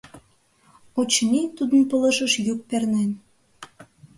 Очыни, тудын пылышыш йӱк пернен.